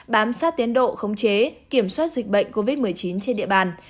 bám sát tiến độ khống chế kiểm soát dịch bệnh covid một mươi chín trên địa bàn